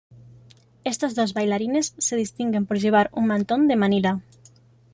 Estos dos bailarines se distinguen por llevar un mantón de Manila.